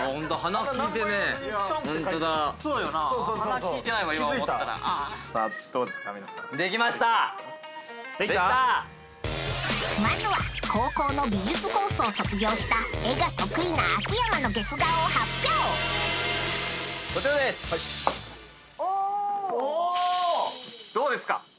どうですか？